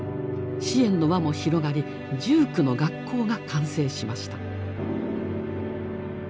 支援の輪も広がり１９の学校が完成しました。